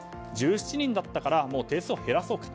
１７人だったからもう定数を減らそうと。